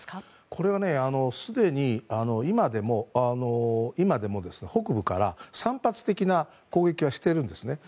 これはすでに今でも北部から散発的な攻撃はしてるんですね。